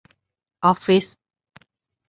ออฟฟิศ